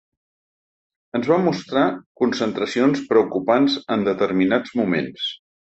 Ens va mostrar concentracions preocupants en determinats moments.